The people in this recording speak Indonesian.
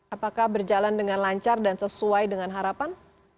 apakah berjalan dengan lancar dan sesuai dengan harapan